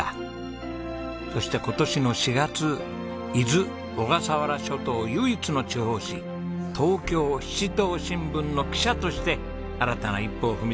そして今年の４月伊豆・小笠原諸島唯一の地方紙『東京七島新聞』の記者として新たな一歩を踏み出したんです。